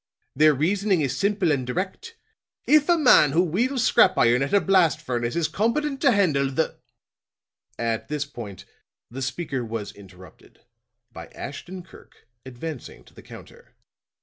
Their reasoning is simple and direct. If a man who wheels scrap iron at a blast furnace is competent to handle the " At this point the speaker was interrupted by Ashton Kirk advancing to the counter.